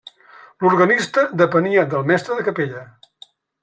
L'organista depenia del mestre de capella.